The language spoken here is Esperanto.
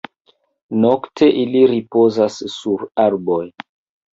Nokte ili ripozas sur arboj.